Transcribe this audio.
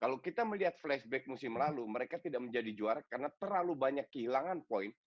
kalau kita melihat flashback musim lalu mereka tidak menjadi juara karena terlalu banyak kehilangan poin